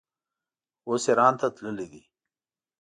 اوس ایران ته تللی دی.